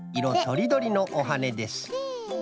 とりどりのおはねです。